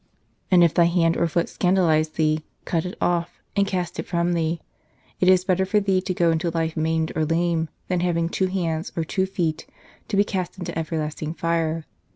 " And if thy hand or foot scandalize thee, cut it off, and cast it from thee. It is better for thee to go into life maimed or lame, than having two hands or two feet to be cast into everlasting fire.